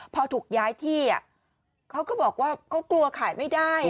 พอถูกย้ายที่อ่ะเค้าก็บอกว่าเค้ากลัวขายไม่ได้อ่ะ